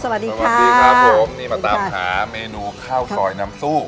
สวัสดีครับสวัสดีครับผมนี่มาตามหาเมนูข้าวซอยน้ำซู่